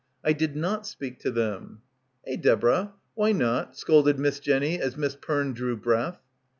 "I did not speak to them " "Eh, Deborah, why not?" scolded Miss Jenny as Miss Peme drew breath.